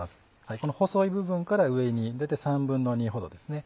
この細い部分から上に大体２／３ほどですね。